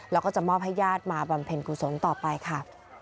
แล้วก็จะมอบให้ญาติมาบำเพ็ญกุศลต่อไปค่ะ